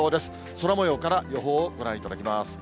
空もようから、予報をご覧いただきます。